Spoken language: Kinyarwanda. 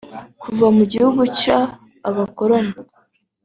Kuva mu gihe cy’Abakoloni